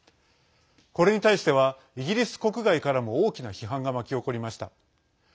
これに対してはイギリス国外からも大きな批判が巻き起こりました。